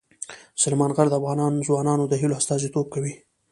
سلیمان غر د افغان ځوانانو د هیلو استازیتوب کوي.